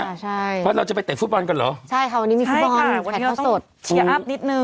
เพราะว่าที่เราจะไปเตะฟุตบอลกันเหรอใช่ค่ะวันนี้ไม่ครับวันให้พอโสดเสียรับนิดนึง